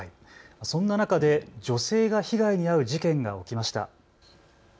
そんな中で女性が被害に遭う事件が起きました。